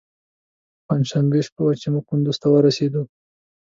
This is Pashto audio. پنجشنبې شپه وه چې موږ کندوز ته ورسېدو.